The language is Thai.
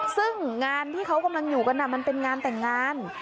ซึ่งงานที่เขากำลังอยู่กันมันเป็นงานแต่งงาน